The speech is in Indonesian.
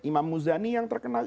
imam muzani yang terkenal